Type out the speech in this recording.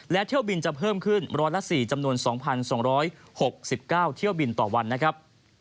และเที่ยวบินจะเพิ่มขึ้น๑๐๔จำนวน๒๒๖๙เที่ยวบินต่อวันนะครับ